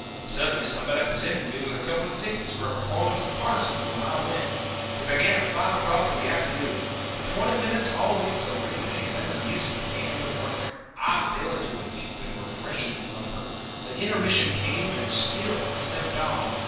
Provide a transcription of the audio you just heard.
Suddenly somebody presented me with a couple of tickets for a performance of Parsifal and I went. It began at five o'clock in the afternoon. For twenty minutes all went serenely and then the music began to work. I fell into a deep and refreshing slumber. The intermission came, and still I slept on.